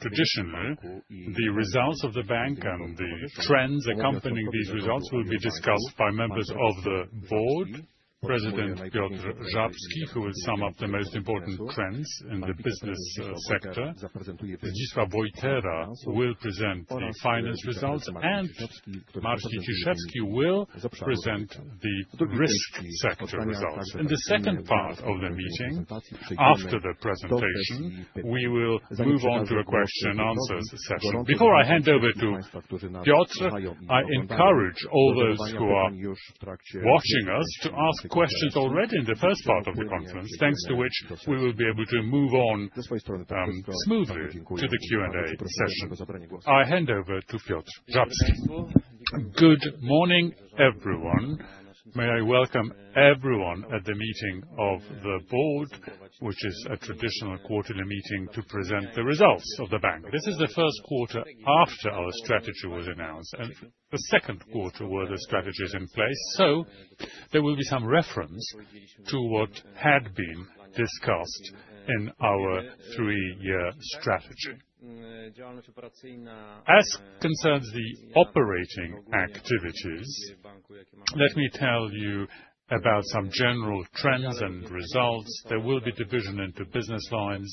The results of the bank and the trends accompanying these results will be discussed by members of the board. President Piotr Żabski, who is some of the most important trends in the business sector, Zdzisław Wojtyła will present the finance results, and Marcin Kiszewski will present the risk sector results. In the second part of the meeting, after the presentation, we will move on to a question-and-answer session. Before I hand over to Piotr, I encourage all those who are watching us to ask questions already in the first part of the conference, thanks to which we will be able to move on and move to the Q&A session. I hand over to Piotr Żabski. Good morning, everyone. May I welcome everyone at the meeting of the Board, which is a traditional quarterly meeting to present the results of the bank. This is the first quarter after our strategy was announced, and the second quarter where the strategy is in place, so there will be some reference to what had been discussed in our three-year strategy. As concerns the operating activities, let me tell you about some general trends and results. There will be a division into business lines,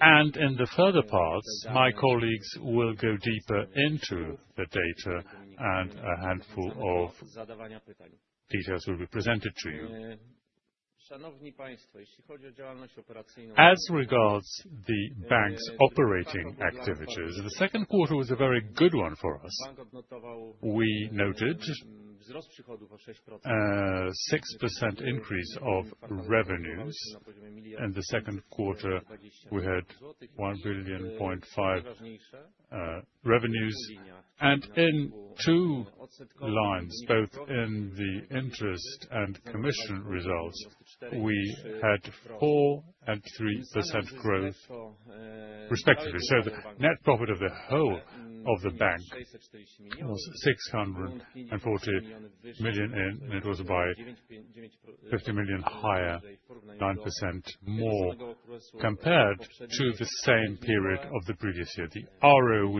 and in the further parts, my colleagues will go deeper into the data and a handful of details will be presented to you. As regards the bank's operating activities, the second quarter was a very good one for us. We noted a 6% increase of revenues, and in the second quarter, we had $1.5 billion revenues. In two lines, both in the interest and commission results, we had 4% and 3% growth respectively. The net profit of the whole of the bank was $640 million, and it was by $50 million higher, 9% more, compared to the same period of the previous year. The ROE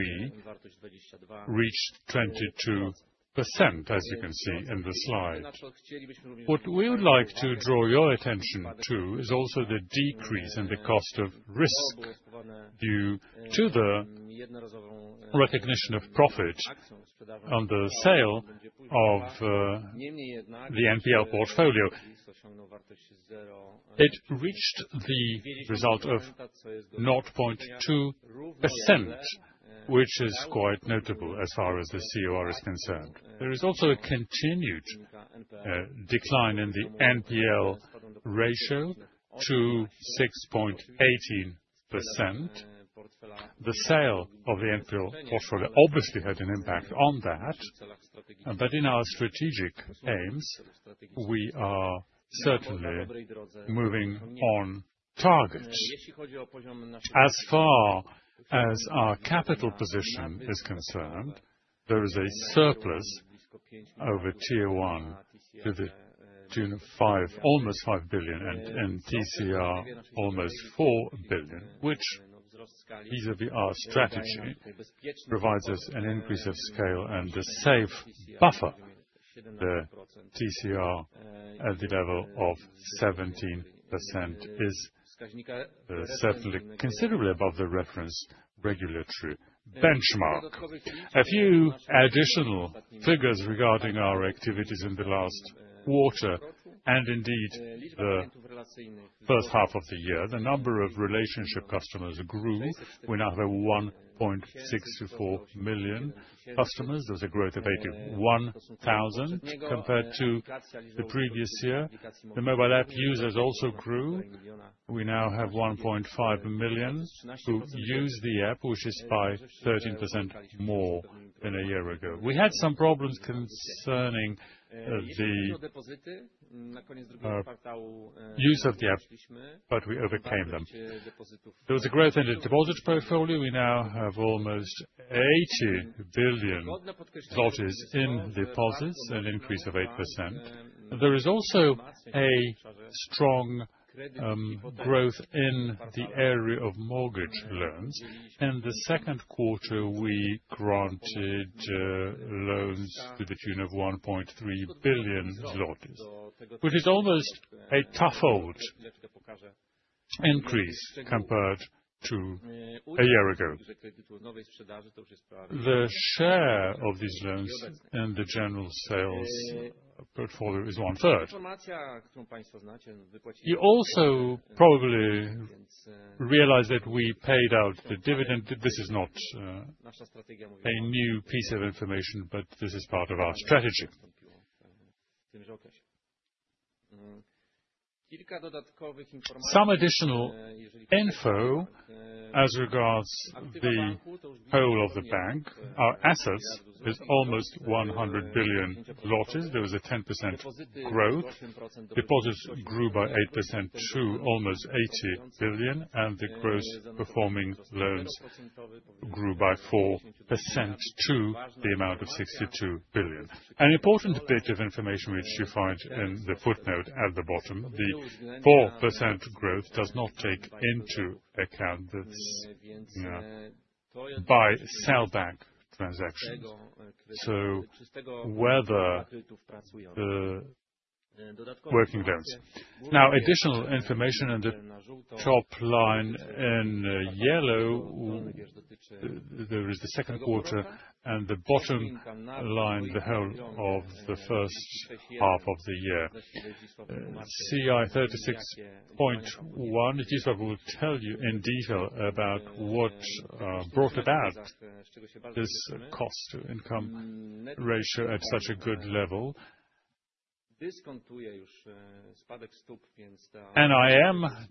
reached 22%, as you can see in the slide. What we would like to draw your attention to is also the decrease in the cost of risk due to the recognition of profit on the sale of the NPL portfolio. It reached the result of 0.2%, which is quite notable as far as the COR is concerned. There is also a continued decline in the NPL ratio to 6.18%. The sale of the NPL portfolio obviously had an impact on that, but in our strategic aims, we are certainly moving on targets. As far as our capital position is concerned, there is a surplus over Tier 1 to the tune of almost $5 billion, and in TCR, almost $4 billion, which vis-à-vis our strategy provides us an increase of scale and a safe buffer. The TCR at the level of 17% is certainly considerably above the reference regulatory benchmark. A few additional figures regarding our activities in the last quarter, and indeed the first half of the year, the number of relationship customers grew. We now have 1.64 million customers. That's a growth of 81,000 compared to the previous year. The mobile app users also grew. We now have 1.5 million who use the app, which is by 13% more than a year ago. We had some problems concerning the use of the app, but we overcame them. There was a growth in the deposit portfolio. We now have almost $80 billion total in deposits, an increase of 8%. There is also a strong growth in the area of mortgage loans. In the second quarter, we granted loans to the tune of $1.3 billion, which is almost a twofold increase compared to a year ago. The share of these loans in the general sales portfolio is 1/3. You also probably realize that we paid out the dividend. This is not a new piece of information, but this is part of our strategy. Some additional info as regards the whole of the bank. Our assets are almost $100 billion. There was a 10% growth. Deposits grew by 8% to almost $80 billion, and the gross performing loans grew by 4% to the amount of $62 billion. An important bit of information which you find in the footnote at the bottom, the 4% growth does not take into account the buy/sell-back transaction, so whether working loans. Now, additional information in the top line in yellow, there is the second quarter and the bottom line, the whole of the first half of the year. CER 36.1. Zdzisław will tell you in detail about what brought it as this cost-to-income ratio at such a good level. NIM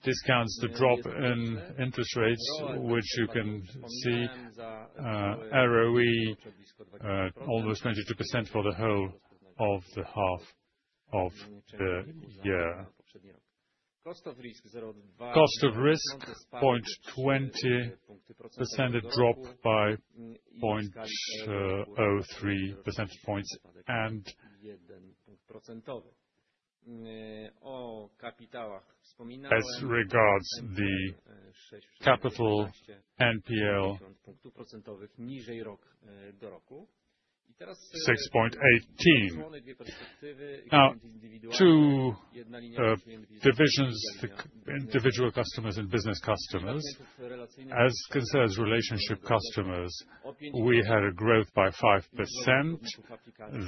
discounts the drop in interest rates, which you can see. ROE at almost 22% for the whole of the half of the year. Cost of risk is As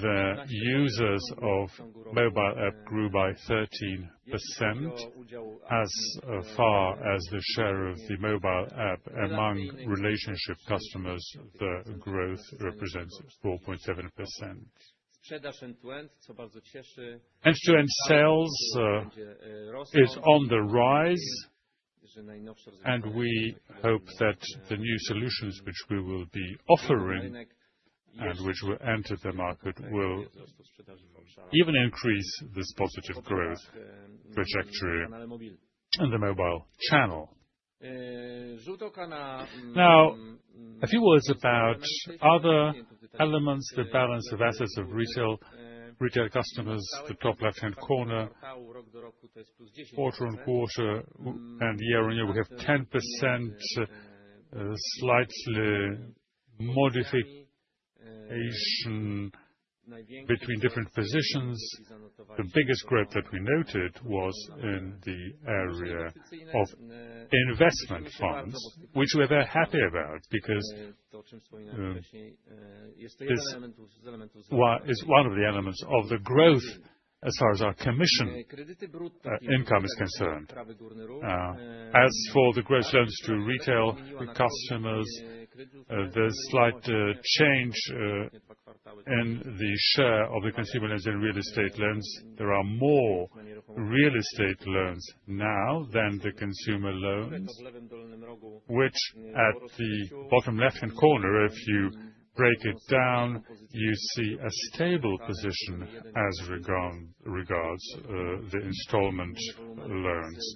far as the share of the mobile app among relationship customers, the growth represents 4.7%. Sales is on the rise, and we hope that the new solutions which we will be offering and which will enter the market will even increase this positive growth trajectory in the mobile channel. Now, a few words about other elements, the balance of assets of retail customers. The top left-hand corner, quarter-on-quarter and year-on-year, we have 10% slightly modification between different positions. The biggest growth that we noted was in the area of investment funds, which we're very happy about because it's one of the elements of the growth as far as our commission and income is concerned. As for the gross loans to retail customers, there's a slight change in the share of the consumer loans and real estate loans. There are more real estate loans now than the consumer loans, which at the bottom left-hand corner, if you break it down, you see a stable position as regards the installment loans.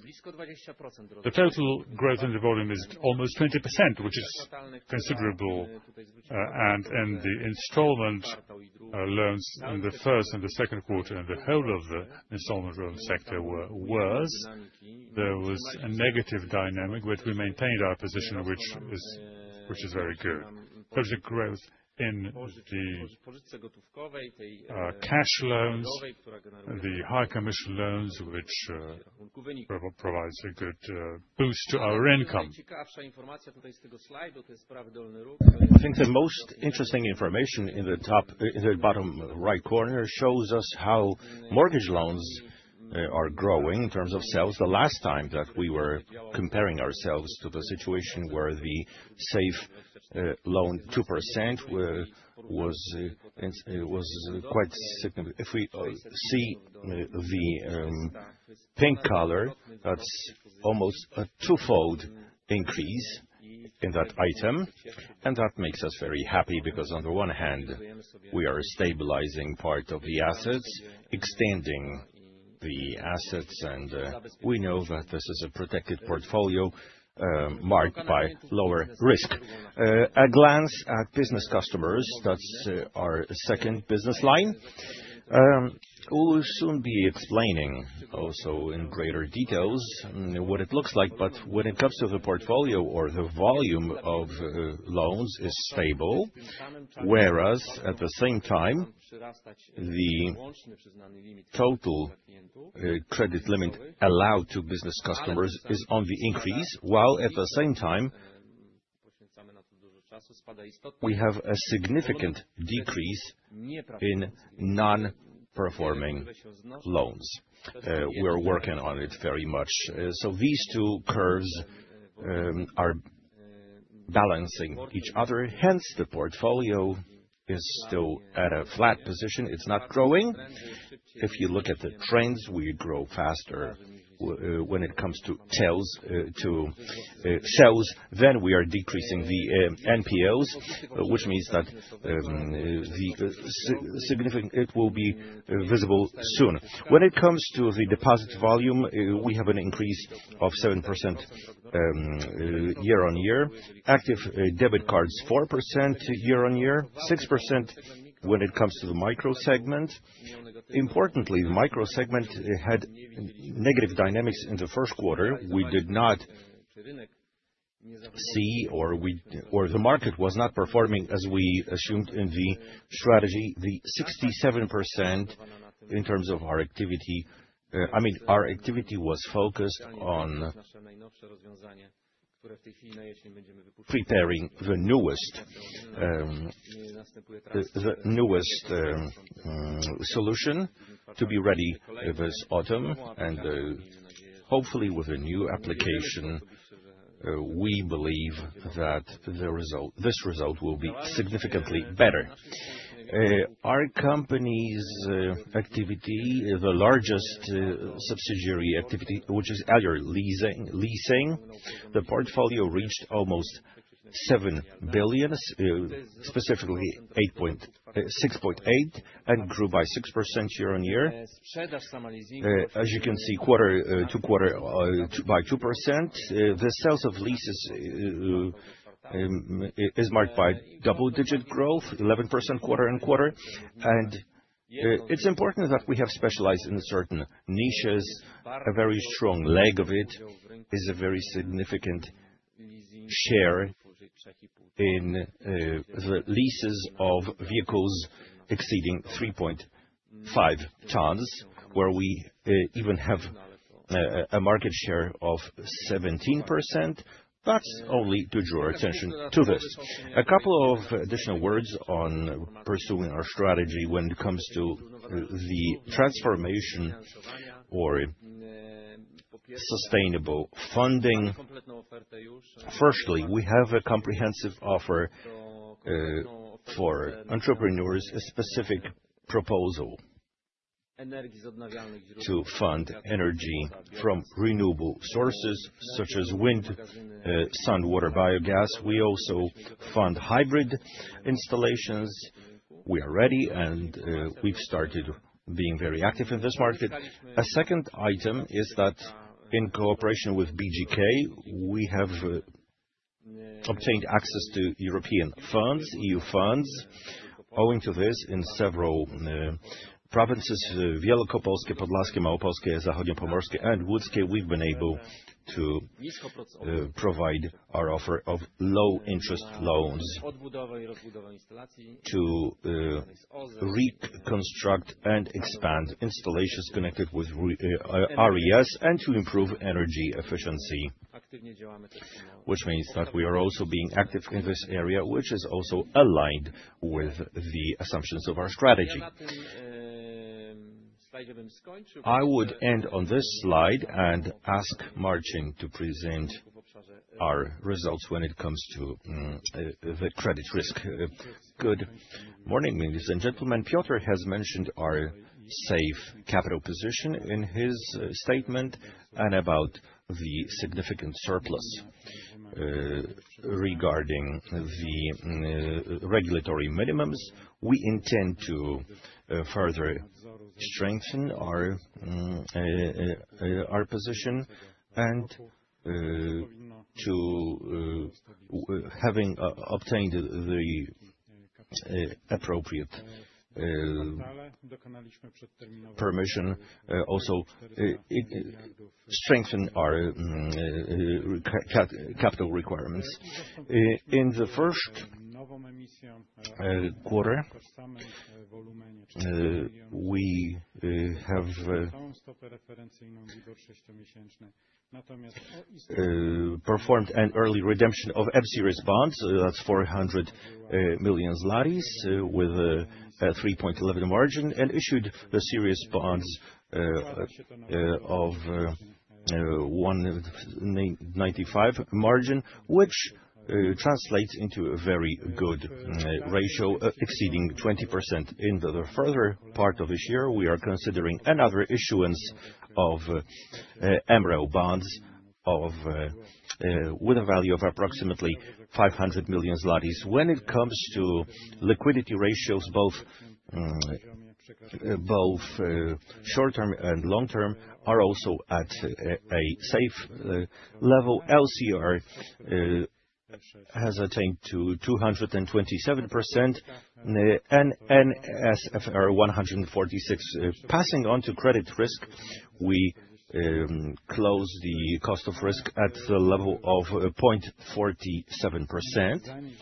The total growth in the volume is almost 20%, which is considerable. In the installment loans in the first and the second quarter in the whole of the installment loan sector, there was a negative dynamic, but we maintained our position, which is very good. There's a growth in the cash loans, the high commission loans, which provides a good boost to our income. I think the most interesting information in the top, in the bottom right corner shows us how mortgage loans are growing in terms of sales. The last time that we were comparing ourselves to the situation where the safe loan 2% was quite significant. If we see the pink color, that's almost a twofold increase in that item. That makes us very happy because on the one hand, we are stabilizing part of the assets, extending the assets, and we know that this is a protected portfolio marked by lower risk. A glance at business customers, that's our second business line, who will soon be explaining also in greater details what it looks like. When it comes to the portfolio or the volume of loans, it's stable. At the same time, the total credit limit allowed to business customers is on the increase, while at the same time, we have a significant decrease in non-performing loans. We're working on it very much. These two curves are balancing each other. Hence, the portfolio is still at a flat position. It's not growing. If you look at the trends, we grow faster when it comes to sales. We are decreasing the NPLs, which means that it will be visible soon. When it comes to the deposit volume, we have an increase of 7% year-on-year. Active debit cards, 4% year-on-year, 6% when it comes to the micro segment. Importantly, the micro segment had negative dynamics in the first quarter. We did not see or the market was not performing as we assumed in the strategy. The 67% in terms of our activity, I mean, our activity was focused on preparing the newest solution to be ready this autumn. Hopefully, with a new application, we believe that this result will be significantly better. Our company's activity, the largest subsidiary activity, which is Alior Leasing, the portfolio reached almost 7 billion, specifically 6.8 billion, and grew by 6% year-on-year. As you can see, quarter-to-quarter by 2%. The sales of leases is marked by double-digit growth, 11% quarter on quarter. It's important that we have specialized in certain niches. A very strong leg of it is a very significant share in the leases of vehicles exceeding 3.5 tonnes, where we even have a market share of 17%. That's only to draw attention to this. A couple of additional words on pursuing our strategy when it comes to the transformation or sustainable funding. Firstly, we have a comprehensive offer for entrepreneurs' specific proposal to fund energy from renewable sources such as wind, sun, water, biogas. We also fund hybrid installations. We are ready, and we've started being very active in this market. A second item is that in cooperation with BGK, we have obtained access to European funds, EU funds. Owing to this, in several provinces, Wielkopolskie, Podlaskie, Małopolskie, Zachodniopomorskie, and Łódzkie, we've been able to provide our offer of low-interest loans to reconstruct and expand installations connected with RES and to improve energy efficiency, which means that we are also being active in this area, which is also aligned with the assumptions of our strategy. I would end on this slide and ask Marcin to present our results when it comes to the credit risk. Good morning, ladies and gentlemen. Piotr has mentioned our safe capital position in his statement and about the significant surplus regarding the regulatory minimums. We intend to further strengthen our position and to having obtained the appropriate permission, also strengthen our capital requirements. In the first quarter, we have performed an early redemption of FCS bonds. That's 400 million with a 3.11% margin and issued the series bonds of 1.95% margin, which translates into a very good ratio exceeding 20%. In the further part of this year, we are considering another issuance of MREL bonds with a value of approximately 500 million zlotys. When it comes to liquidity ratios, both short-term and long-term are also at a safe level. LCR has attained 227% and NSFR 146%. Passing on to credit risk, we close the cost of risk at the level of 0.47%.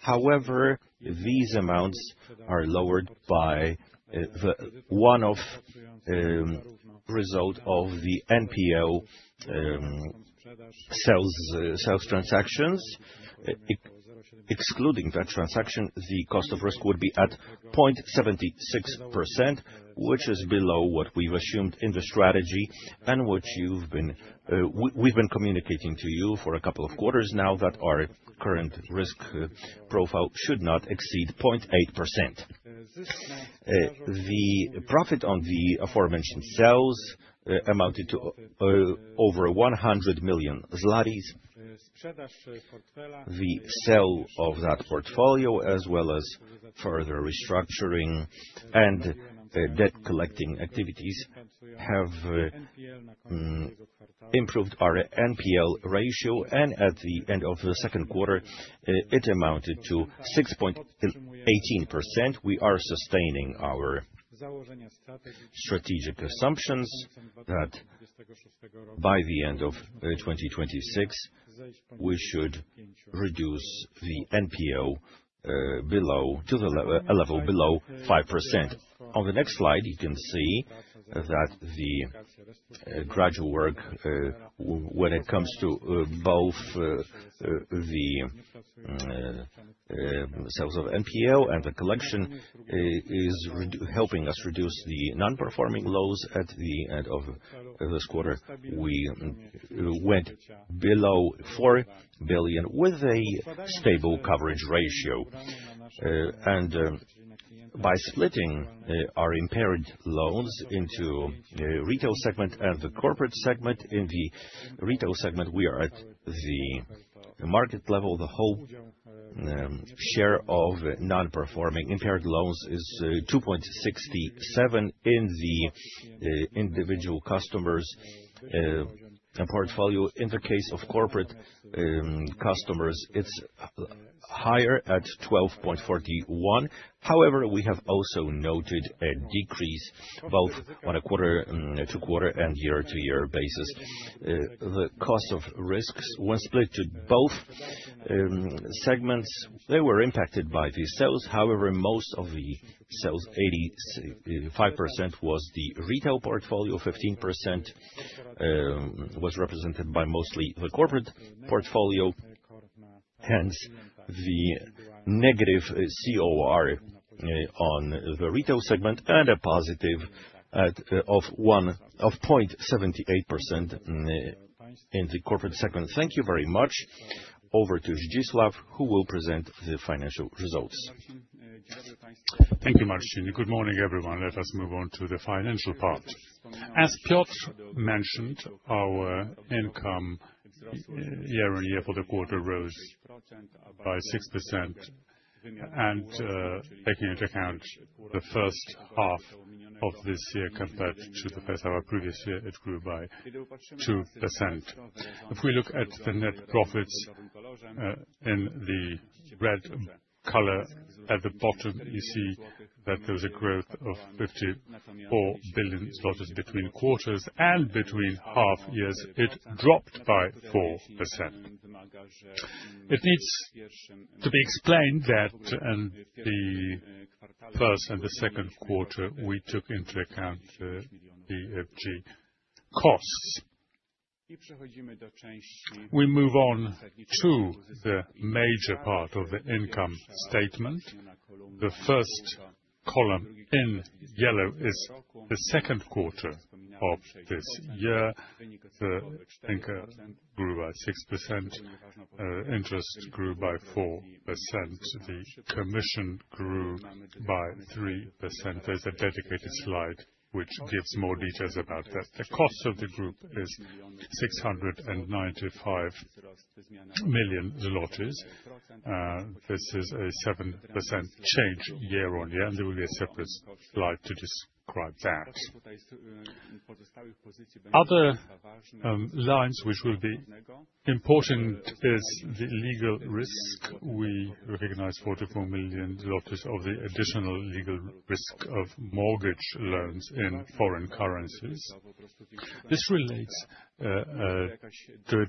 However, these amounts are lowered by one of the results of the NPL sales transactions. Excluding that transaction, the cost of risk would be at 0.76%, which is below what we've assumed in the strategy and what we've been communicating to you for a couple of quarters now that our current risk profile should not exceed 0.8%. The profit on the aforementioned sales amounted to over 100 million. The sale of that portfolio, as well as further restructuring and debt collecting activities, have improved our NPL ratio. At the end of the second quarter, it amounted to 6.18%. We are sustaining our strategic assumptions that by the end of 2026, we should reduce the NPL to a level below 5%. On the next slide, you can see that the gradual work when it comes to both the sales of NPL and the collection is helping us reduce the non-performing loans. At the end of this quarter, we went below 4 billion with a stable coverage ratio. By splitting our impaired loans into the retail segment and the corporate segment, in the retail segment, we are at the market level. The whole share of non-performing impaired loans is 2.67%. In the individual customers' portfolio, in the case of corporate customers, it's higher at 12.41%. However, we have also noted a decrease both on a quarter-to-quarter and year-to-year basis. The cost of risks, when split to both segments, was impacted by the sales. Most of the sales, 85%, was the retail portfolio. 15% was represented by mostly the corporate portfolio. Hence, the negative COR on the retail segment and a positive of 0.78% in the corporate segment. Thank you very much. Over to Zdzisław, who will present the financial results. Thank you, Marcin. Good morning, everyone. Let us move on to the financial part. As Piotr mentioned, our income year-on-year for the quarter rose by 6%. Taking into account the first half of this year compared to the previous year, it grew by 2%. If we look at the net profits in the red color at the bottom, you see that there's a growth of 54 million zlotys between quarters. Between half years, it dropped by 4%. It needs to be explained that in the first and the second quarter, we took into account the costs. We move on to the major part of the income statement. The first column in yellow is the second quarter of this year. The 10% grew by 6%. Interest grew by 4%. The commission grew by 3%. There's a dedicated slide which gives more details about that. The cost of the group is 695 million zlotys. This is a 7% change year-on-year, and we will use a separate slide to describe that. Other lines which will be important are the legal risks. We recognize 44 million of the additional legal risk of mortgage loans in foreign currencies. This relates to the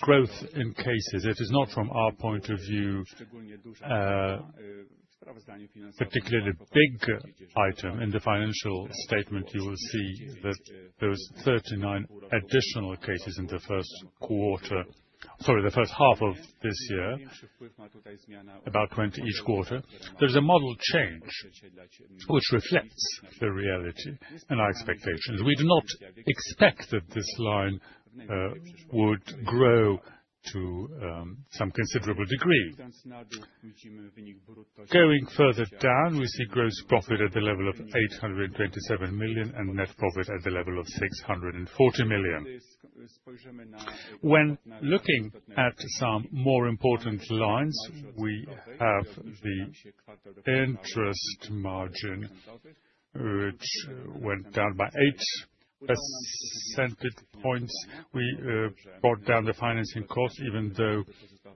growth in cases. It is not from our point of view. Particularly the big item in the financial statement, you will see that there's 39 additional cases in the first quarter, sorry, the first half of this year. About 20 each quarter. There's a model change which reflects the reality and our expectations. We do not expect that this line would grow to some considerable degree. Going further down, we see gross profit at the level of 827 million and net profit at the level of 640 million. When looking at some more important lines, we have the interest margin which went down by 8%. We brought down the financing cost. Even though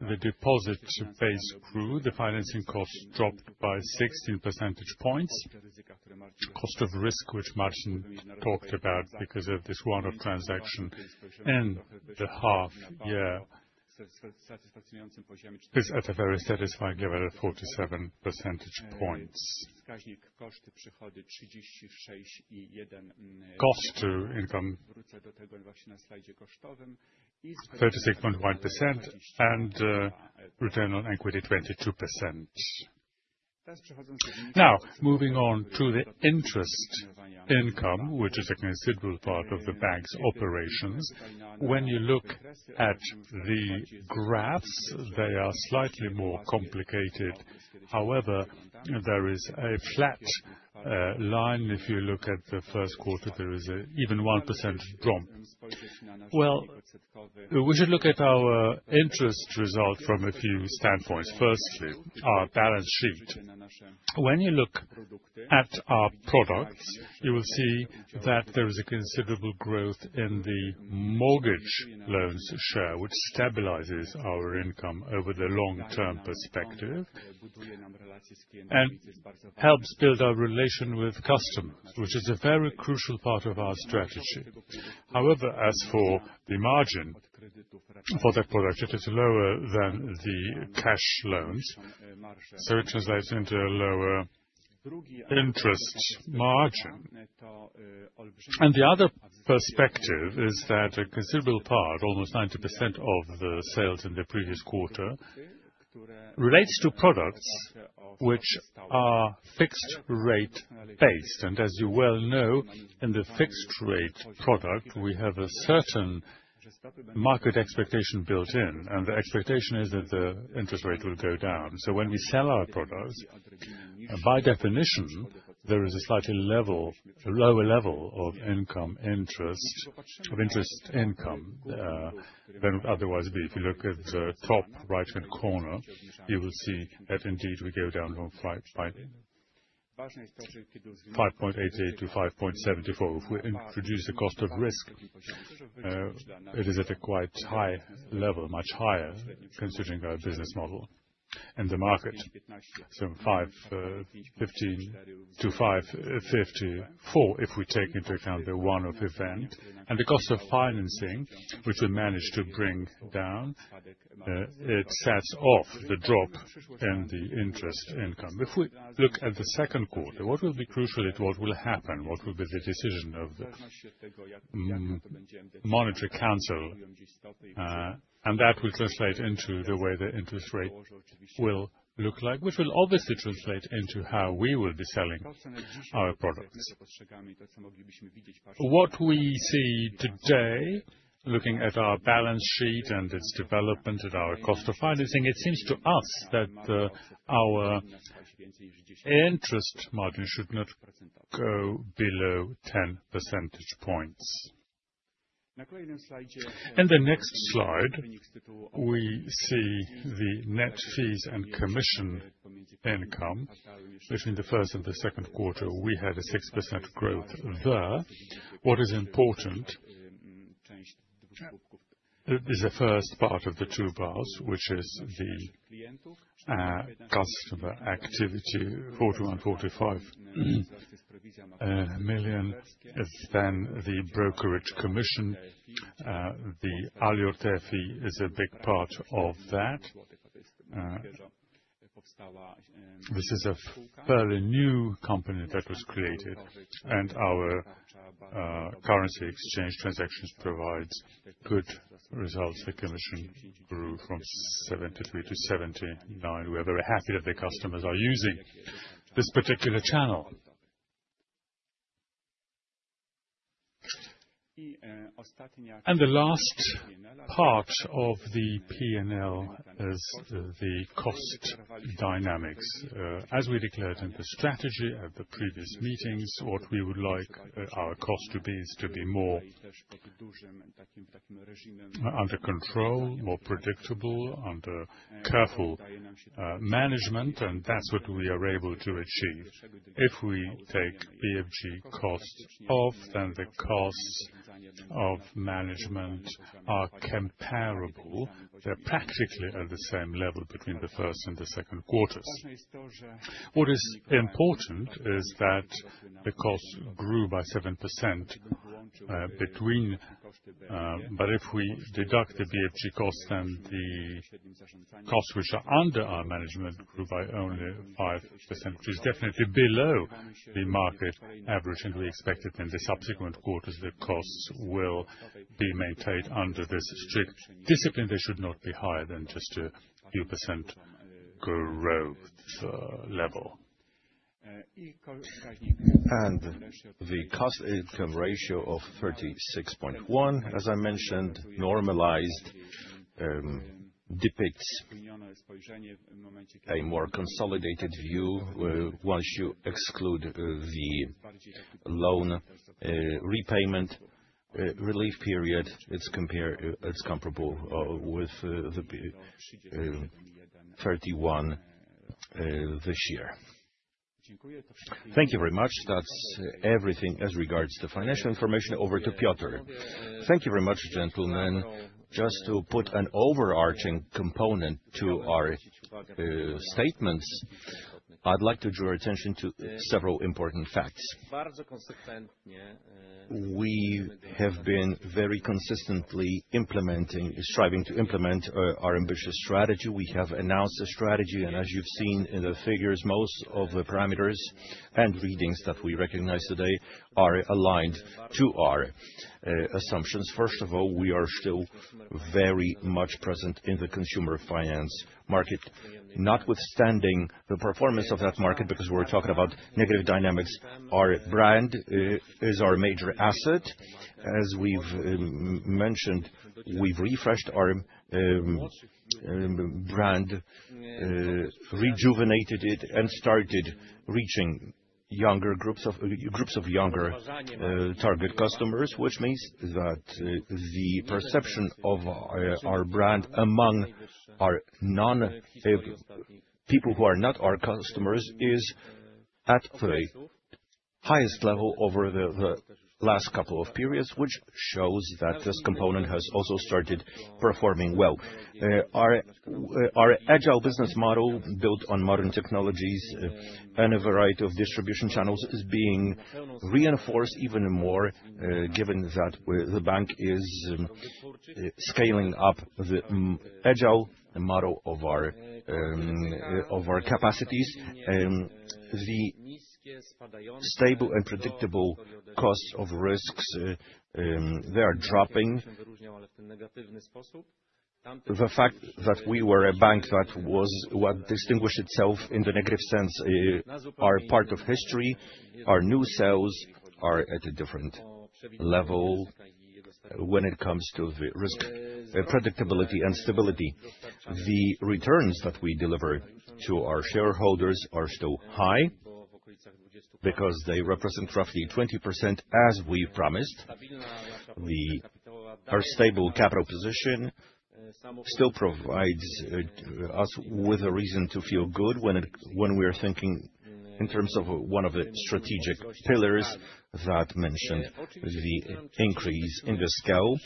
the deposit phase grew, the financing cost dropped by 16%. The cost of risk, which Marcin talked about because of this one transaction in the half year, is at a very satisfying level at 47%. Cost-to-income, I'll show you on the next slide, is 36.1% and return on equity 22%. Now, moving on to the interest income, which is a considerable part of the bank's operations. When you look at the graphs, they are slightly more complicated. However, there is a flat line. If you look at the first quarter, there is an even 1% drop. We should look at our interest result from a few standpoints. Firstly, our balance sheet. When you look at our products, you will see that there is a considerable growth in the mortgage loans share, which stabilizes our income over the long-term perspective. It helps build our relation with customers, which is a very crucial part of our strategy. However, as for the margin for that product, it is lower than the cash loans. It translates into a lower interest margin. The other perspective is that a considerable part, almost 90% of the sales in the previous quarter, relates to products which are fixed-rate-based. As you well know, in the fixed-rate product, we have a certain market expectation built in. The expectation is that the interest rate will go down. When we sell our products, by definition, there is a slightly lower level of interest income than it would otherwise be. If you look at the top right-hand corner, you will see that indeed we go down from 5.88% to 5.74%. If we introduce the cost of risk, it is at a quite high level, much higher considering our business model. The market is from 5.50% to 5.54% if we take into account the one-off event. The cost of financing, which we managed to bring down, sets off the drop in the interest income. If we look at the second quarter, what will be crucial is what will happen, what will be the decision of the Monetary Council. That will translate into the way the interest rate will look like, which will obviously translate into how we will be selling our products. What we see today, looking at our balance sheet and its development and our cost of financing, it seems to us that our interest margin should not go below 10 percentage points. In the next slide, we see the net fees and commission income, especially in the first and the second quarter. We had a 6% growth there. What is important is the first part of the two bars, which is the customer activity, 41 million and 45 million. It's then the brokerage commission. The Alior TFE is a big part of that. This is a fairly new company that was created, and our currency exchange transaction provides good results. The commission grew from 73 to 79. We're very happy that the customers are using this particular channel. The last part of the P&L is the cost dynamics. As we declared in the strategy at the previous meetings, what we would like our cost to be is to be more under control, more predictable, under careful management. That's what we are able to achieve. If we take BFG costs off, then the costs of management are comparable. They're practically at the same level between the first and the second quarters. What is important is that the cost grew by 7% between. If we deduct the BFG costs, then the costs which are under our management grew by only 5%. It's definitely below the market average, and we expect that in the subsequent quarters, the costs will be maintained under this strict discipline. They should not be higher than just a few percent growth level. The cost-to-income ratio of 36.1, as I mentioned, normalized depicts a more consolidated view once you exclude the loan repayment relief period. It's comparable with the 31 this year. Thank you very much. That's everything as regards to financial information. Over to Piotr. Thank you very much, gentlemen. Just to put an overarching component to our statements, I'd like to draw your attention to several important facts. We have been very consistently striving to implement our ambitious strategy. We have announced the strategy, and as you've seen in the figures, most of the parameters and readings that we recognize today are aligned to our assumptions. First of all, we are still very much present in the consumer finance market, notwithstanding the performance of that market because we're talking about negative dynamics. Our brand is our major asset. As we've mentioned, we've refreshed our brand, rejuvenated it, and started reaching groups of younger target customers, which means that the perception of our brand among people who are not our customers is at the highest level over the last couple of periods, which shows that this component has also started performing well. Our agile business model, built on modern technologies and a variety of distribution channels, is being reinforced even more, given that the bank is scaling up the agile model of our capacities. The stable and predictable costs of risks, they are dropping in a negative space. The fact that we were a bank that was what distinguished itself in the negative sense is our part of history. Our new sales are at a different level when it comes to the risk predictability and stability. The returns that we deliver to our shareholders are still high because they represent roughly 20%, as we promised. Our stable capital position still provides us with a reason to feel good when we are thinking in terms of one of the strategic pillars that mentioned the increase in the scale.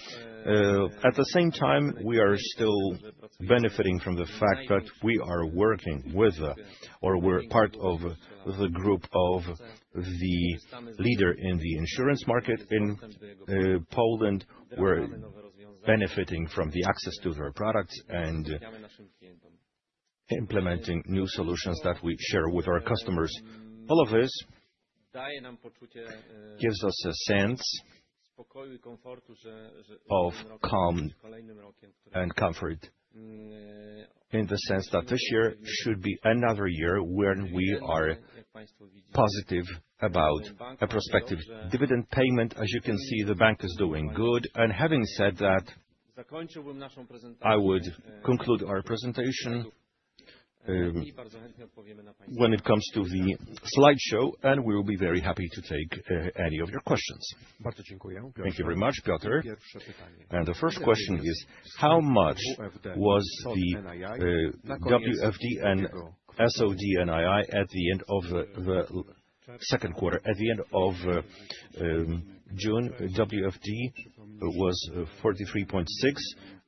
At the same time, we are still benefiting from the fact that we are working with or we're part of the group of the leader in the insurance market in Poland. We're benefiting from the access to their products and implementing new solutions that we share with our customers. All of this gives us a sense of comfort in the sense that this year should be another year when we are positive about a prospective dividend payment. As you can see, the bank is doing good. Having said that, I would conclude our presentation. When it comes to the slideshow, we will be very happy to take any of your questions. Thank you very much, Piotr. The first question is, how much was the WFD and SOTNII at the end of the second quarter? At the end of June, WFD was 43.6%.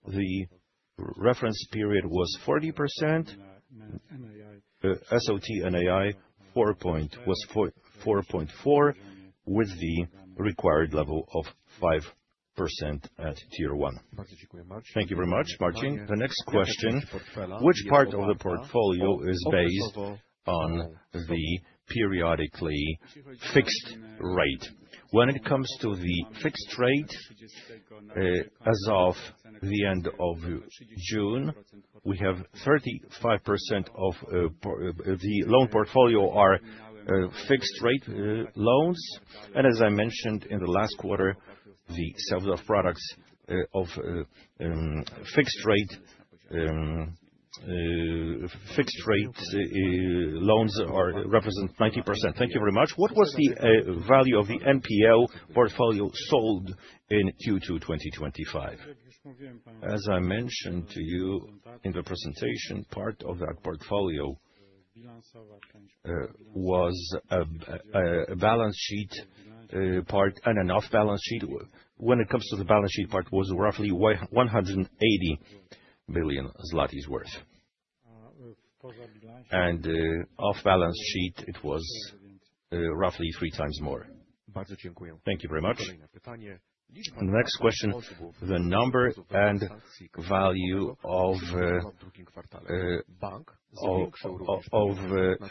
The reference period was 40%. SOTNII was 4.4% with the required level of 5% at Tier 1. Thank you very much, Marcin. The next question, which part of the portfolio is based on the periodically fixed rate? When it comes to the fixed rate, as of the end of June, we have 35% of the loan portfolio are fixed-rate loans. As I mentioned in the last quarter, the sales of products of fixed-rate loans represent 90%. T hank you very much. What was the value of the NPL portfolio sold in Q2 2025? As I mentioned to you in the presentation, part of that portfolio was a balance sheet part and an off-balance sheet. When it comes to the balance sheet part, it was roughly 180 million worth. The off-balance sheet was roughly three times more. Thank you very much. The next question, the number and value of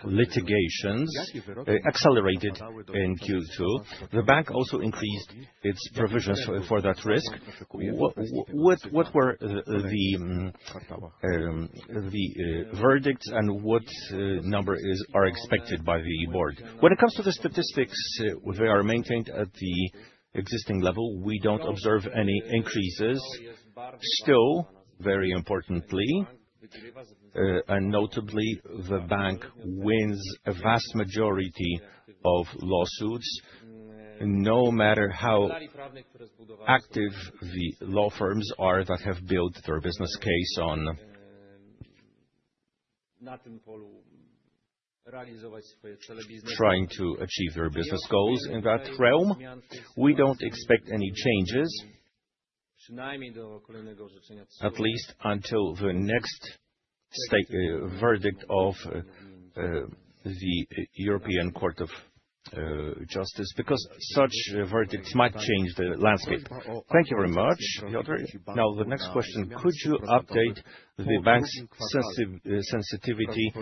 litigations accelerated in Q2. The bank also increased its provisions for that risk. What were the verdicts and what number is expected by the Board? When it comes to the statistics, they are maintained at the existing level. We don't observe any increases. Still, very importantly, and notably, the bank wins a vast majority of lawsuits no matter how active the law firms are that have built their business case on trying to achieve their business goals. In that realm, we don't expect any changes, at least until the next verdict of the European Court of Justice, because such verdicts might change the landscape. Thank you very much, Piotr. Now, the next question, could you update the bank's sensitivity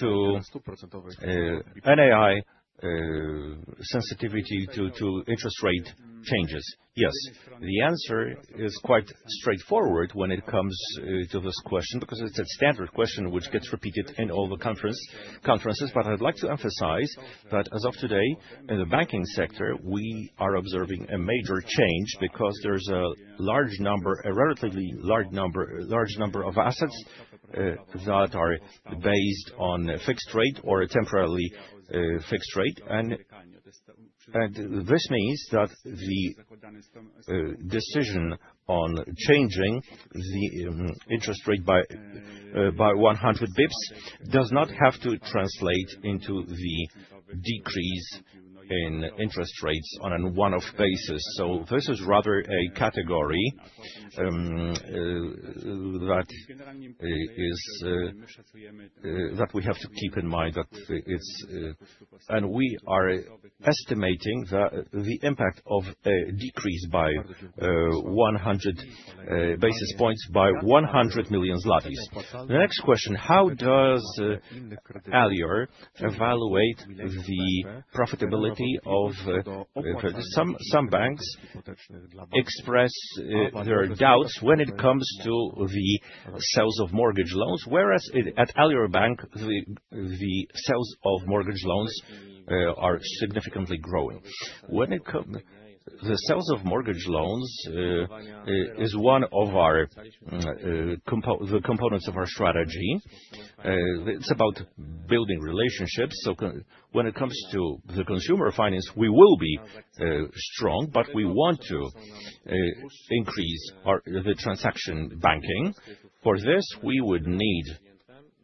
to NAI sensitivity to interest rate changes? Yes. The answer is quite straightforward when it comes to this question because it's a standard question which gets repeated in all the conferences. I'd like to emphasize that as of today, in the banking sector, we are observing a major change because there's a large number, a relatively large number of assets that are based on a fixed rate or a temporarily fixed rate. This means that the decision on changing the interest rate by 100 bps does not have to translate into the decrease in interest rates on a one-off basis. This is rather a category that we have to keep in mind. We are estimating the impact of a decrease by 100 basis points by 100 million zlotys. The next question, how does Alior Bank evaluate the profitability of the? Some banks express their doubts when it comes to the sales of mortgage loans, whereas at Alior Bank, the sales of mortgage loans are significantly growing. The sales of mortgage loans is one of the components of our strategy. It's about building relationships. When it comes to the consumer finance, we will be strong, but we want to increase the transaction banking. For this, we would need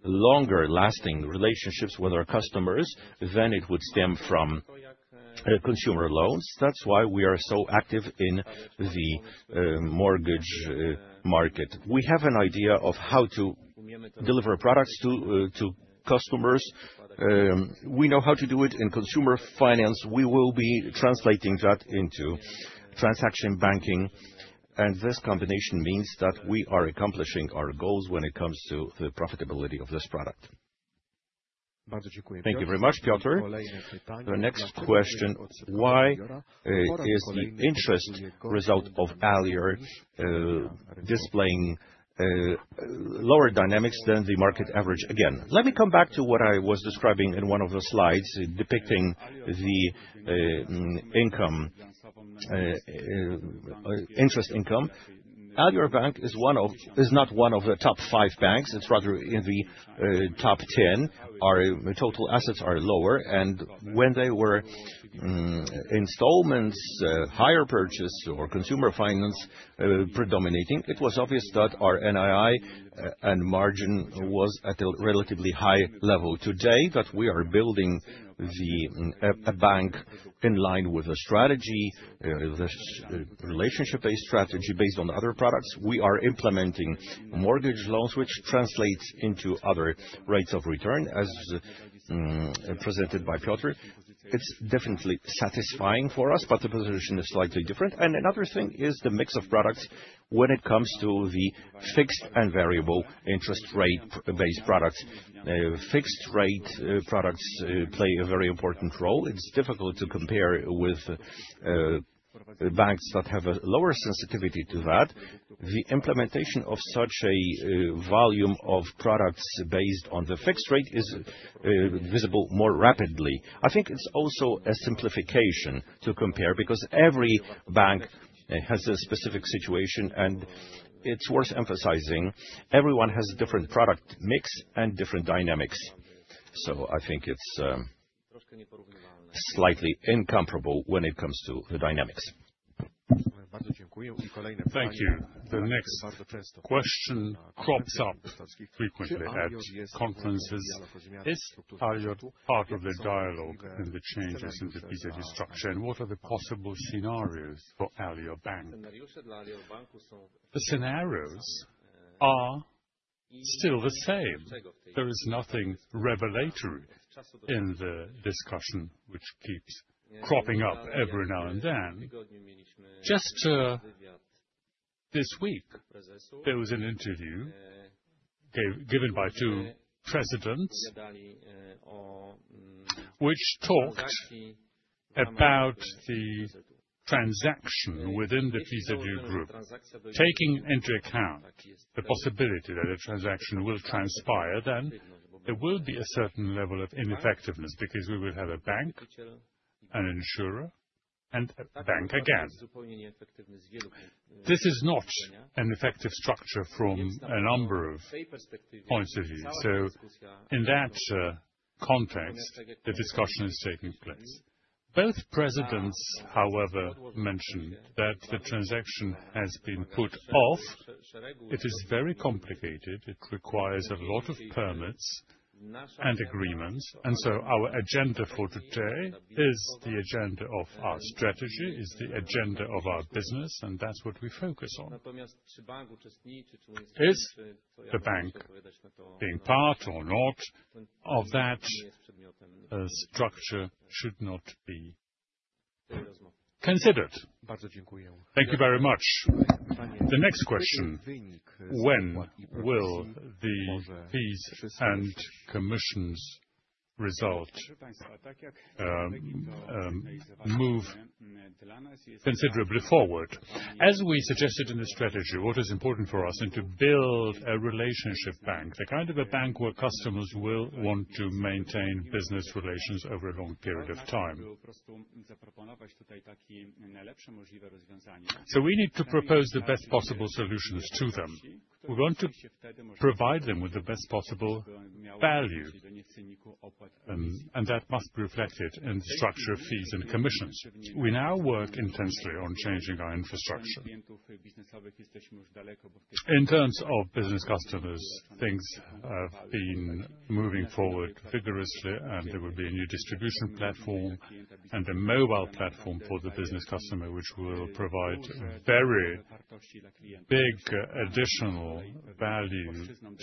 longer-lasting relationships with our customers than it would stem from consumer loans. That's why we are so active in the mortgage market. We have an idea of how to deliver products to customers. We know how to do it in consumer finance. We will be translating that into transaction banking. This combination means that we are accomplishing our goals when it comes to the profitability of this product. Thank you very much, Piotr. The next question, why is interest the result of Alior displaying lower dynamics than the market average? Let me come back to what I was describing in one of the slides depicting the interest income. Alior Bank is not one of the top five banks. It's rather in the top 10. Our total assets are lower. When there were installments, higher purchase, or consumer finance predominating, it was obvious that our NII and margin was at a relatively high level. Today, we are building a bank in line with the strategy, the relationship-based strategy based on other products. We are implementing mortgage loans, which translates into other rates of return, as presented by Piotr. It's definitely satisfying for us, but the position is slightly different. Another thing is the mix of products when it comes to the fixed and variable interest rate-based products. Fixed-rate products play a very important role. It's difficult to compare with the banks that have a lower sensitivity to that. The implementation of such a volume of products based on the fixed rate is visible more rapidly. I think it's also a simplification to compare because every bank has a specific situation. It's worth emphasizing, everyone has a different product mix and different dynamics. I think it's slightly incomparable when it comes to the dynamics. Thank you. The next question pops up frequently at conferences. Is Alior part of the dialogue and the changes in the BJP structure? What are the possible scenarios for Alior Bank? The scenarios are still the same. There is nothing revelatory in the discussion, which keeps cropping up every now and then. Just this week, there was an interview given by two presidents, which talked about the transaction within the PZU group. Taking into account the possibility that a transaction will transpire, there will be a certain level of ineffectiveness because we will have a bank, an insurer, and a bank again. This is not an effective structure from a number of points of view. In that context, the discussion is taking place. Both presidents, however, mentioned that the transaction has been put off. It is very complicated. It requires a lot of permits and agreements. Our agenda for today is the agenda of our strategy, is the agenda of our business, and that's what we focus on. The bank, being part or not of that, should not be considered. Thank you very much. The next question, when will the fees and commissions result? Considerably forward. As we suggested in the strategy, what is important for us and to build a relationship bank, the kind of a bank where customers will want to maintain business relations over a long period of time. We need to propose the best possible solutions to them. We want to provide them with the best possible value. That must be reflected in the structure of fees and commissions. We now work intensely on changing our infrastructure. In terms of business customers, things have been moving forward vigorously, and there will be a new distribution platform and a mobile platform for the business customer, which will provide very big additional value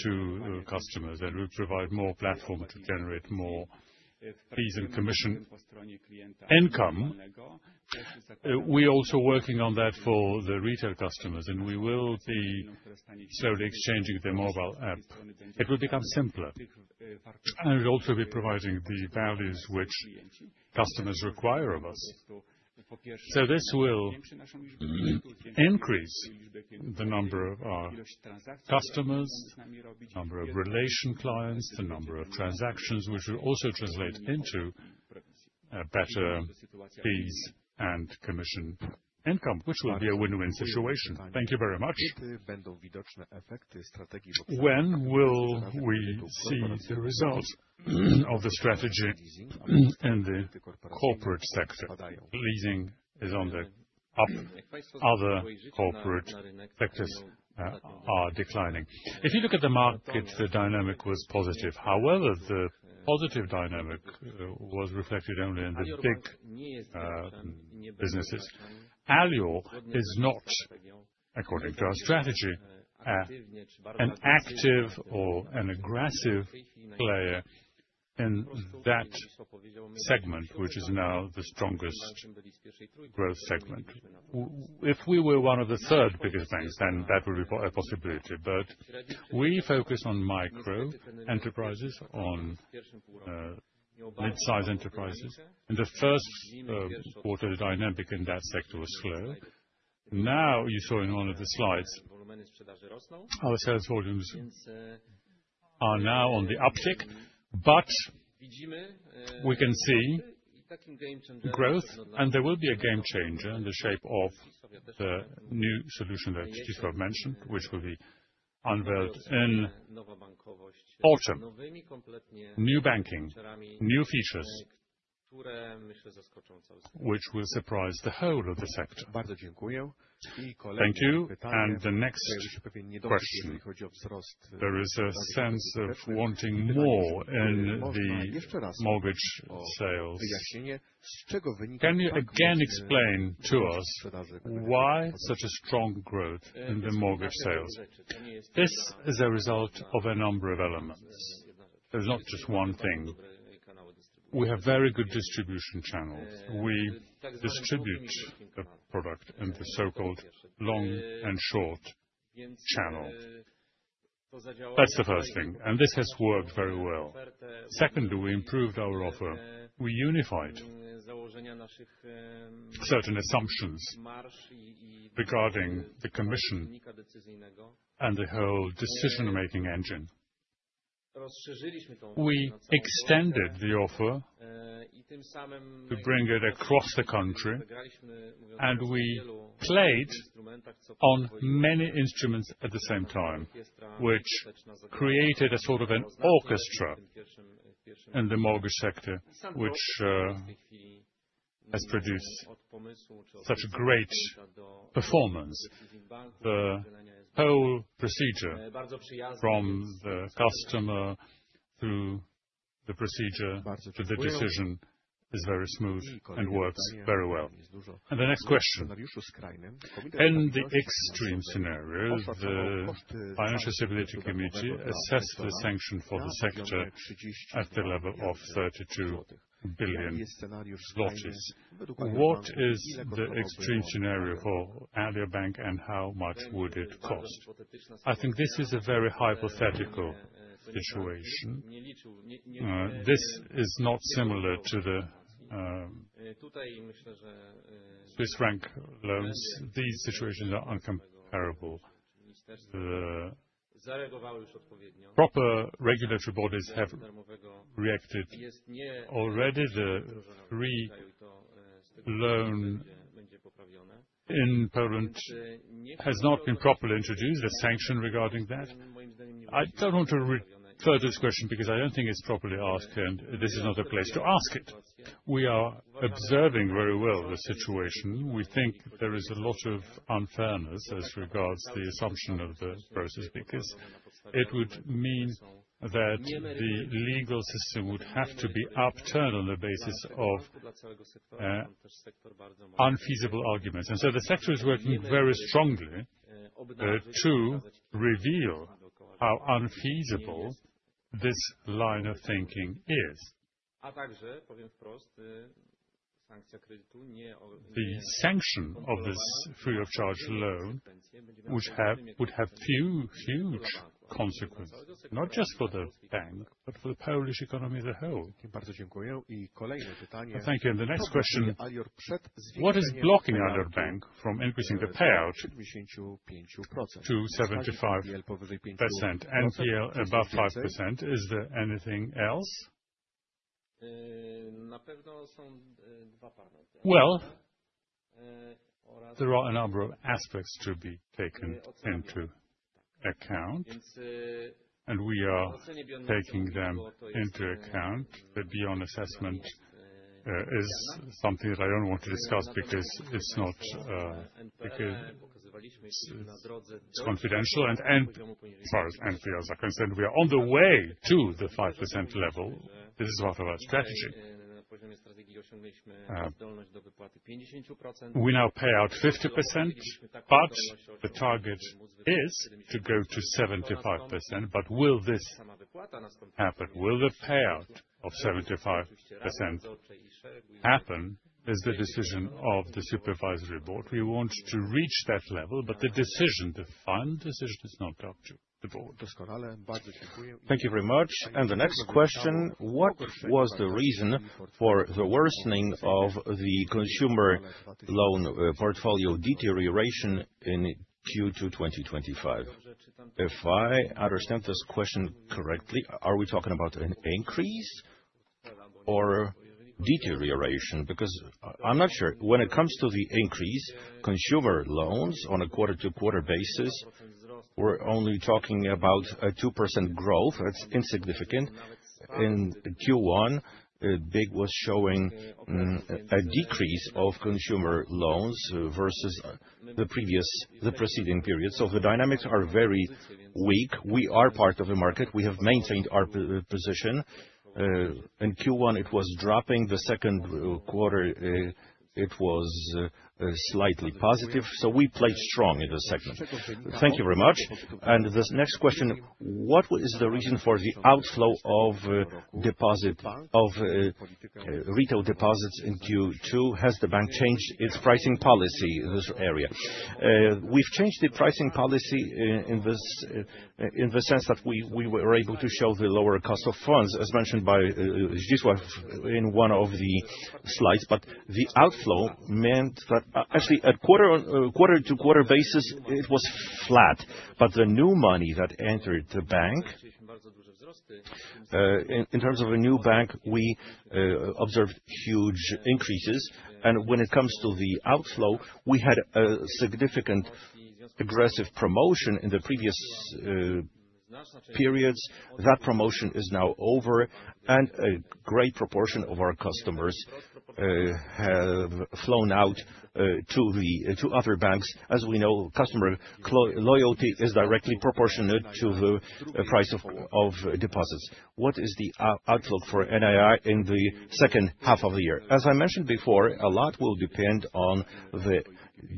to customers. We provide more platform to generate more fees and commission income. We're also working on that for the retail customers, and we will be shortly exchanging their mobile app. It will become simpler. We'll also be providing the values which customers require of us. This will increase the number of our customers, the number of relationship customers, the number of transactions, which will also translate into better fees and commission income, which will be a win-win situation. Thank you very much. When will we see the results of the strategy in the corporate sector? Leasing is on the up. Other corporate sectors are declining. If you look at the markets, the dynamic was positive. However, the positive dynamic was reflected only in the big businesses. Alior is not, according to our strategy, an active or an aggressive player in that segment, which is now the strongest growth segment. If we were one of the third biggest banks, then that would be a possibility. We focus on micro enterprises, on mid-sized enterprises. The first quarter dynamic in that sector was slow. You saw in one of the slides, our sales volumes are now on the uptick. We can see the growth, and there will be a game changer in the shape of the new solution that Zdzisław mentioned, which will be unveiled in autumn. New banking, new features, which will surprise the whole of the sector. Thank you. If you think there is a sense of wanting more in the mortgage sales. Can you again explain to us why such a strong growth in the mortgage sales? This is a result of a number of elements. There's not just one thing. We have very good distribution channels. We distribute the product in the so-called long and short channel. That's the first thing. This has worked very well. Secondly, we improved our offer. We unified certain assumptions regarding the commission and the whole decision-making engine. We extended the offer to bring it across the country, and we played on many instruments at the same time, which created a sort of an orchestra in the mortgage sector, which has produced such a great performance. The whole procedure, from the customer through the procedure to the decision, is very smooth and works very well. The next question, in the extreme scenario, the Financial Stability Committee assessed the sanction for the sector at the level of 32 billion zlotys. What is the extreme scenario for Alior Bank and how much would it cost? I think this is a very hypothetical situation. This is not similar to the Swiss franc loans. These situations are uncomparable. Proper regulatory bodies have already the loan has not been properly introduced, the sanction regarding that. I don't want to rephrase this question because I don't think it's properly asked, and this is not a place to ask it. We are observing very well the situation. We think there is a lot of unfairness as regards the assumption of the process because it would mean that the legal system would have to be upturned on the basis of unfeasible arguments. The sector is working very strongly to reveal how unfeasible this line of thinking is. The sanction of this free-of-charge loan would have huge consequences, not just for the bank, but for the Polish economy as a whole. Thank you. The next question, what is blocking Alior Bank from increasing the payout to 75%? Above 5%, is there anything else? There are a number of aspects to be taken into account. We are taking them into account. The BION assessment is something that I don't want to discuss because it's not confidential. We are on the way to the 5% level. This is part of our strategy. We now pay out 50%, but the target is to go to 75%. Will this happen? Will the payout of 75% happen? It is the decision of the Supervisory Board. We want to reach that level, but the final decision is not up to the Board. Thank you very much. The next question, what was the reason for the worsening of the consumer loan portfolio deterioration in Q2 2025? If I understand this question correctly, are we talking about an increase or deterioration? I'm not sure. When it comes to the increase, consumer loans on a quarter-to-quarter basis, we're only talking about a 2% growth. That's insignificant. In Q1, BIG was showing a decrease of consumer loans versus the preceding period. The dynamics are very weak. We are part of the market. We have maintained our position. In Q1, it was dropping. The second quarter, it was slightly positive. We played strong in the second quarter. Thank you very much. The next question, what is the reason for the outflow of retail deposits in Q2? Has the bank changed its pricing policy in this area? We've changed the pricing policy in the sense that we were able to show the lower cost of funds, as mentioned by Zdzisław in one of the slides. The outflow meant actually on a quarter-to-quarter basis, it was flat. The new money that entered the bank, in terms of the new bank, we observed huge increases. When it comes to the outflow, we had a significant aggressive promotion in the previous periods. That promotion is now over. A great proportion of our customers have flown out to the other banks. As we know, customer loyalty is directly proportionate to the price of deposits. What is the outlook for NII in the second half of the year? As I mentioned before, a lot will be pinned on the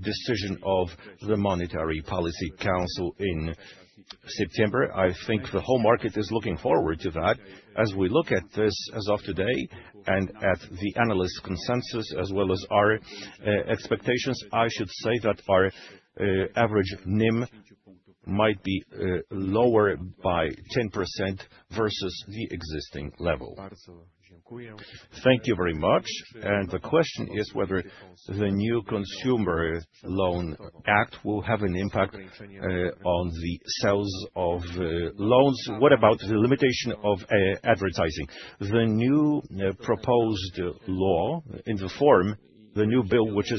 decision of the Monetary Policy Council in September. I think the whole market is looking forward to that. As we look at this as of today and at the analyst consensus, as well as our expectations, I should say that our average NIM might be lower by 10% versus the existing level. Thank you very much. The question is whether the new Consumer Loan Act will have an impact on the sales of loans. What about the limitation of advertising? The new proposed law in the form, the new bill, which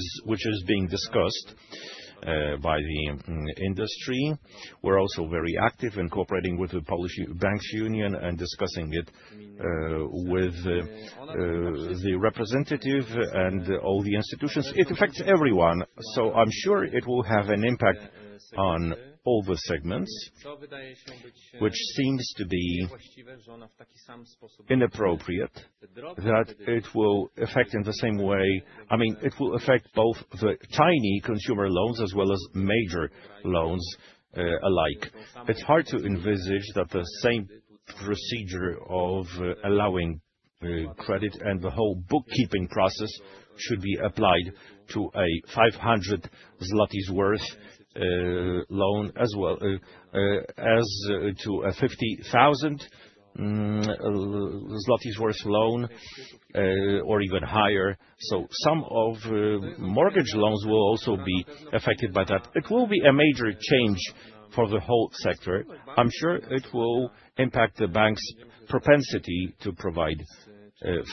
is being discussed by the industry, we're also very active in cooperating with the Polish Banks Union and discussing it with the representative and all the institutions. It affects everyone. I'm sure it will have an impact on all the segments, which seems to be inappropriate that it will affect in the same way. I mean, it will affect both the tiny consumer loans as well as major loans alike. It's hard to envisage that the same procedure of allowing credit and the whole bookkeeping process should be applied to a 500 zlotys worth loan as well as to a 50,000 zlotys worth loan or even higher. Some of the mortgage loans will also be affected by that. It will be a major change for the whole sector. I'm sure it will impact the bank's propensity to provide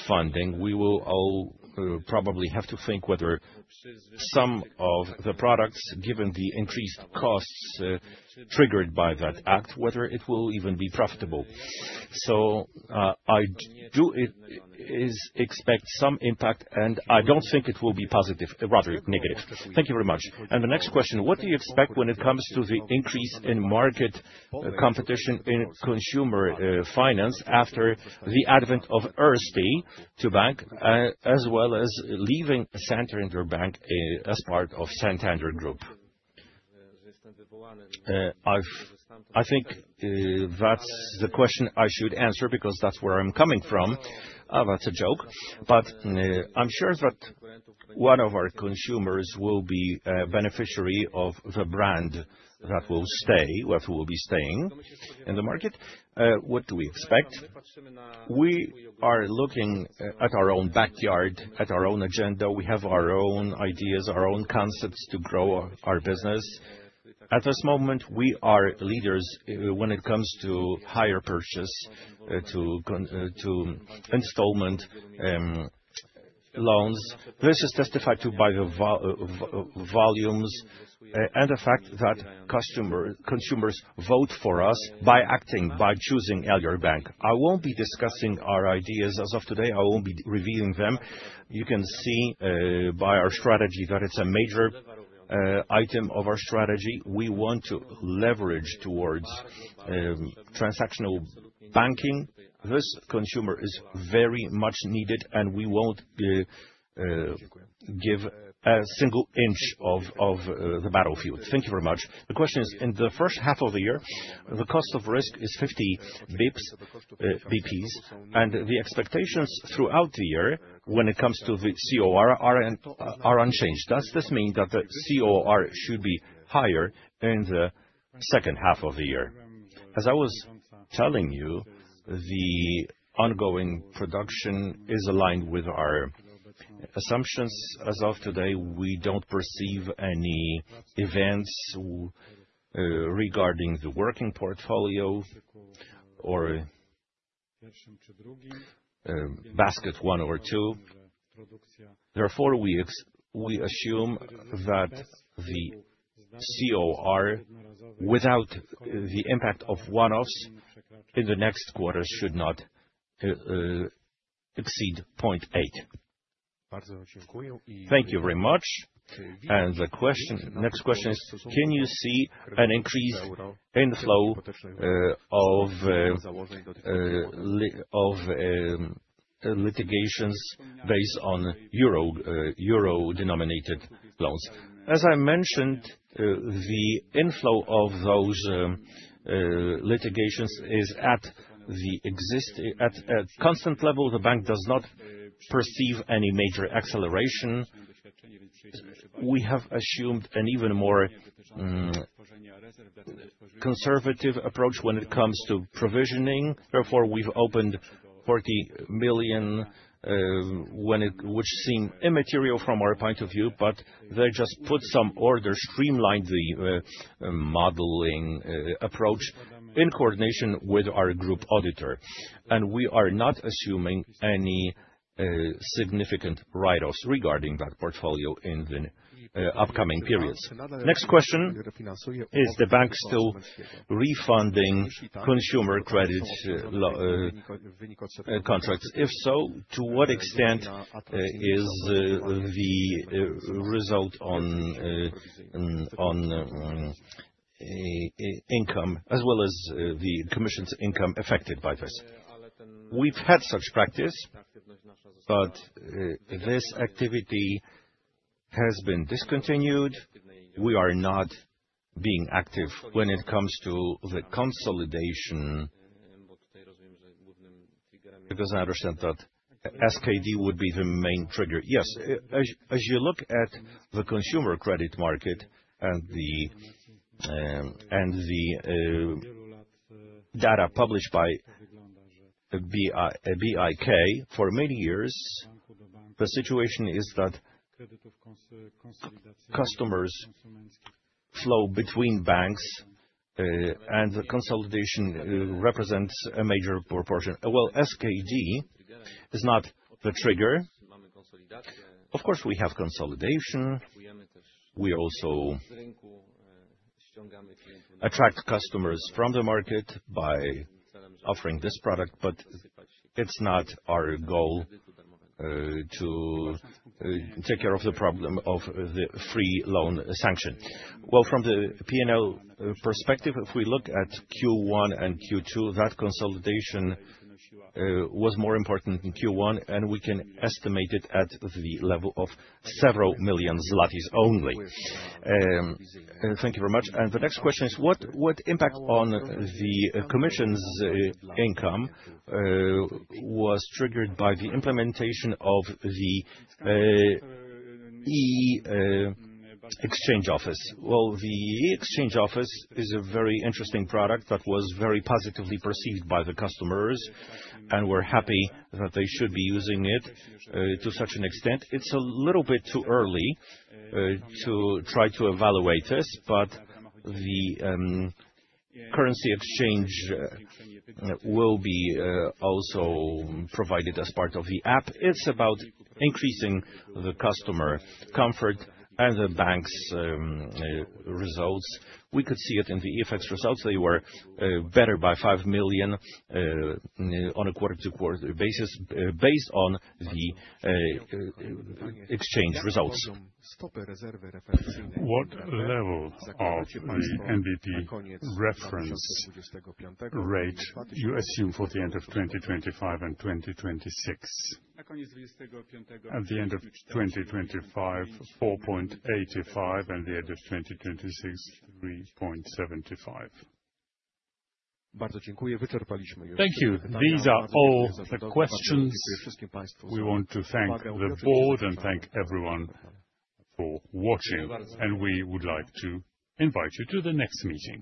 funding. We will all probably have to think whether some of the products, given the increased costs triggered by that act, whether it will even be profitable. I do expect some impact, and I don't think it will be positive, rather negative. Thank you very much. The next question, what do you expect when it comes to the increase in market competition in consumer finance after the advent of EARSTY to bank, as well as leaving Santander Bank as part of Santander Group? I think that's the question I should answer because that's where I'm coming from. Oh, that's a joke. I'm sure that one of our consumers will be a beneficiary of the brand that will stay, that will be staying in the market. What do we expect? We are looking at our own backyard, at our own agenda. We have our own ideas, our own concepts to grow our business. At this moment, we are leaders when it comes to higher purchase, to installment loans. This is testified to by the volumes and the fact that consumers vote for us by acting, by choosing Alior Bank. I won't be discussing our ideas as of today. I won't be reviewing them. You can see by our strategy that it's a major item of our strategy. We want to leverage towards transactional banking. This consumer is very much needed, and we won't give a single inch of the battlefield. Thank you very much. The question is, in the first half of the year, the cost of risk is 50 bps, and the expectations throughout the year when it comes to the COR are unchanged. Does this mean that the COR should be higher in the second half of the year? As I was telling you, the ongoing production is aligned with our assumptions. As of today, we don't perceive any events regarding the working portfolios or basket one or two. Therefore, we assume that the COR, without the impact of one-offs, in the next quarter should not exceed 0.8%. Thank you very much. The next question is, can you see an increase in flow of litigations based on euro-denominated loans? As I mentioned, the inflow of those litigations is at the existing at a constant level. The bank does not perceive any major acceleration. We have assumed an even more conservative approach when it comes to provisioning. Therefore, we've opened 40 million, which seemed immaterial from our point of view, but they just put some order, streamlined the modeling approach in coordination with our group auditor. We are not assuming any significant write-offs regarding that portfolio in the upcoming period. Next question, is the bank still refunding consumer credit contracts? If so, to what extent is the result on income, as well as the commission's income affected by this? We've had such practice, but this activity has been discontinued. We are not being active when it comes to the consolidation. I understand that SKD would be the main trigger. Yes. As you look at the consumer credit market and the data published by BIK for many years, the situation is that customers flow between banks, and the consolidation represents a major proportion. SKD is not the trigger. Of course, we have consolidation. We also attract customers from the market by offering this product, but it's not our goal to take care of the problem of the free loan sanction. From the P&L perspective, if we look at Q1 and Q2, that consolidation was more important in Q1, and we can estimate it at the level of several million PLN only. Thank you very much. The next question is, what impact on the commission's income was triggered by the implementation of the Exchange Office? The Exchange Office is a very interesting product that was very positively perceived by the customers, and we're happy that they should be using it to such an extent. It's a little bit too early to try to evaluate this, but the currency exchange will be also provided as part of the app. It's about increasing the customer comfort and the bank's results. We could see it in the EFX results. They were better by 5 million on a quarter-to-quarter basis based on the exchange results. What level of MBP reference rate do you assume for the end of 2025 and 2026? At the end of 2025, 4.85%, and the end of 2026, 3.75%. Thank you. These are all the questions. We want to thank the Board and thank everyone for watching, and we would like to invite you to the next meeting.